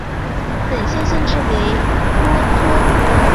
本县县治为波托。